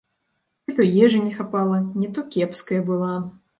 Ці то ежы не хапала, не то кепская была.